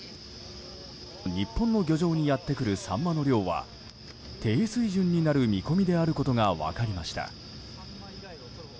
日本の漁場にやってくるサンマの量は低水準になる見込みであることが分かりました。